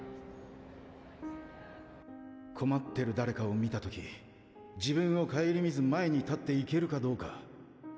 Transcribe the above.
困ってる誰かを見た時自分を顧みず前に立っていけるかどうか。